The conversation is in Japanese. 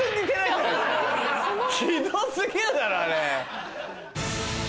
ひど過ぎるだろあれ。